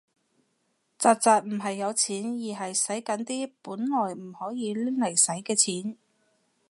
宅宅唔係有錢，而係洗緊啲本來唔可以拎嚟洗嘅錢